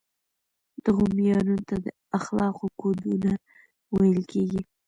دغو معیارونو ته د اخلاقو کودونه ویل کیږي.